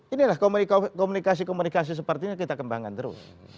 inilah komunikasi komunikasi seperti ini kita kembangkan terus